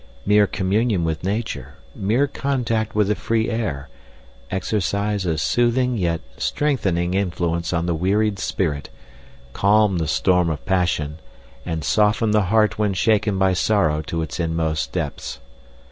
Mere communion with nature, mere contact with the free air, exercise a soothing yet strengthening influence on the wearied spirit, calm the storm of passion, and soften the heart when shaken by sorrow to its inmost depths.